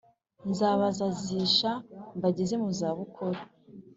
Nzabazazisha mbageze mu za bukuru